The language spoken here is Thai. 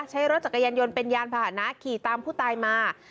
ใช้รถจักรยานยนต์เป็นยานพาหนะขี่ตามผู้ตายมา